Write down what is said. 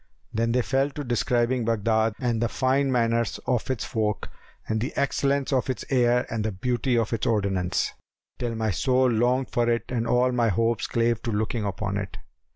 Then they fell to describing Baghdad and the fine manners of its folk and the excellence of its air and the beauty of its ordinance, till my soul longed for it and all my hopes clave to looking upon it.